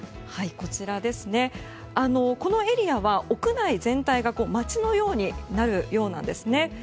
このエリアは屋内全体が町のようになるようなんです。